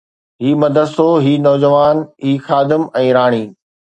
هي مدرسو، هي نوجوان، هي خادم ۽ راڻي